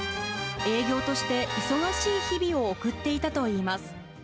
営業として忙しい日々を送っていたといいます。